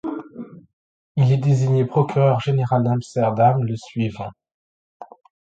Il est désigné procureur général d'Amsterdam le suivant.